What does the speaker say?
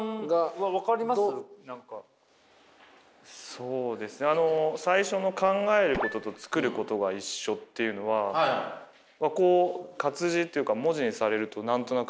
そうですねあの最初の考えることと作ることが一緒っていうのはこう活字というか文字にされると何となく「ああ」ってなりますよね。